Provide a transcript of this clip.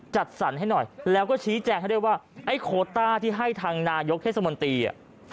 จัดสรรให้หน่อยแล้วก็ชี้แจงให้ด้วยว่าไอ้โคต้าที่ให้ทางนายกเทศมนตรีอ่ะ